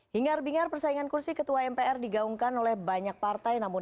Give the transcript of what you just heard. hingar bingar persaingan kursi ketua mpr digaungkan oleh banyak partai namun